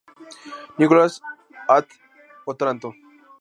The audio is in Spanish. Nicholas at Otranto".